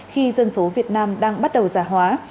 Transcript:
khi dân số việt nam đang bắt đầu giả hóa